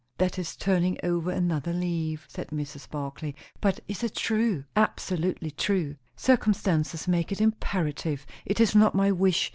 "That is turning over another leaf," said Mrs. Barclay. "But is it true?" "Absolutely true. Circumstances make it imperative. It is not my wish.